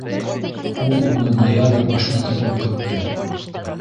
Ул уны ноябрь башына тиклем көттө.